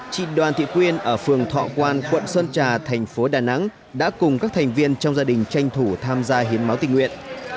chị đoàn thị quyên ở phường thọ quan quận sơn trà thành phố đà nẵng đã cùng các thành viên trong gia đình tranh thủ tham gia hiến máu tình nguyện